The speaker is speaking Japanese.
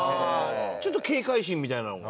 ちょっと警戒心みたいなのが。